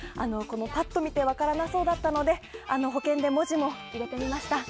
パッと見て分からなそうだったので保険で文字も入れてみました。